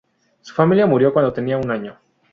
Su familia murió cuando tenía un año.